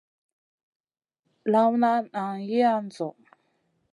Lawna nan yiidan ni zo.